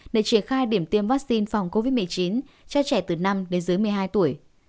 để triển khai điểm tiêm vaccine phòng covid một mươi chín cho trẻ từ năm đến dưới một mươi hai tuổi